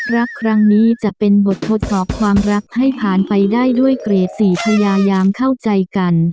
รักครั้งนี้จะเป็นบททดสอบความรักให้ผ่านไปได้ด้วยเกรดสี่พยายามเข้าใจกัน